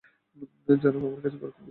জনাব, আমার কাছে পুরাতন ব্রিটিশ অস্ত্র আছে।